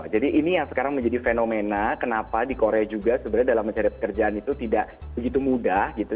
jadi ini yang sekarang menjadi fenomena kenapa di korea juga sebenarnya dalam mencari pekerjaan itu tidak begitu mudah gitu